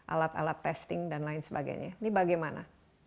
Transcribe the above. alat alat testing dan lain sebagainya ini bagaimana